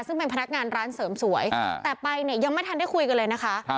ซึ่งเป็นพนักงานร้านเสริมสวยแต่ไปเนี่ยยังไม่ทันได้คุยกันเลยนะคะ